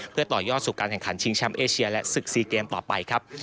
เพื่อต่อยอดสู่การแข่งขันชิงแชมป์เอเชียและศึก๔เกมต่อไปครับ